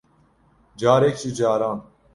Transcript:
Carek ji caran